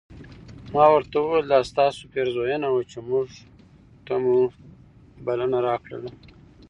ما ورته وویل دا ستاسو پیرزوینه وه چې موږ ته مو بلنه راکړله.